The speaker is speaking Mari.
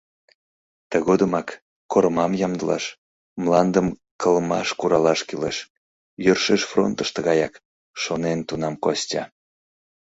Тыгодымак кормам ямдылаш, мландым кылмаш куралаш кӱлеш, «йӧршеш фронтышто гаяк», — шонен тунам Костя.